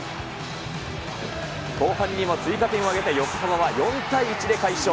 後半にも追加点を挙げて、横浜が４対１の快勝。